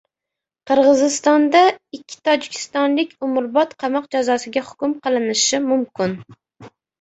Qirg‘izistonda ikki tojikistonlik umrbod qamoq jazosiga hukm qilinishi mumkin